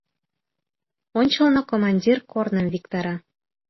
Ончылно командир корным виктара.